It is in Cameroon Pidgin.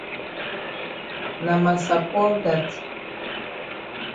Na massa Paul dat.